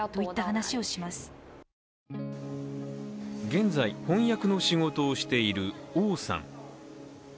現在、翻訳の仕事をしている王さん。